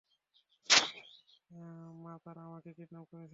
মা, তারা আমাকে কিডন্যাপ করেছিল।